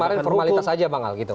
jadi kemarin formalitas saja bang al